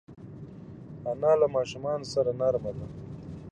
انا له ماشومانو سره نرمه ده